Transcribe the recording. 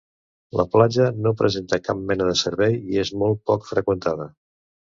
La platja no presenta cap mena de servei i és molt poc freqüentada.